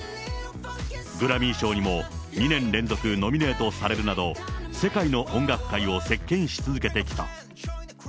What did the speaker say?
グラミー賞にも２年連続ノミネートされるなど、世界の音楽界を席けんし続けてきた。